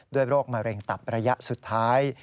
โรคมะเร็งตับระยะสุดท้าย